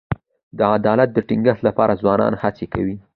د عدالت د ټینګښت لپاره ځوانان هڅې کوي.